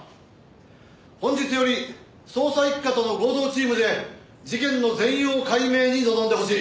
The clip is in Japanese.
本日より捜査一課との合同チームで事件の全容解明に臨んでほしい。